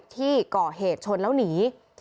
ที่ก่อเหตุชนแล้วหนี